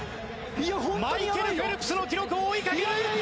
マイケル・フェルプスの記録を追いかける！